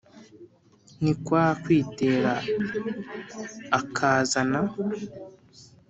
Ni kwa kwitera akazana